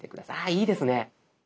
ああいいですね。